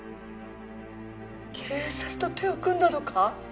警察と手を組んだのか？